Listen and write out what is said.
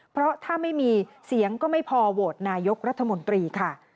เพราะถ้าไม่มีเสียงก็ไม่พอโหวตนายกรัฐมนตรีค่ะ